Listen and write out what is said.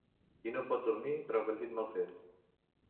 Qui no pot dormir troba el llit mal fet.